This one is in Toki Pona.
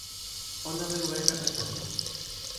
ona li weka e tenpo.